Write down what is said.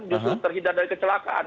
justru terhidat dari kecelakaan